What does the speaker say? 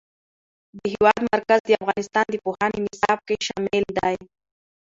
د هېواد مرکز د افغانستان د پوهنې نصاب کې شامل دی.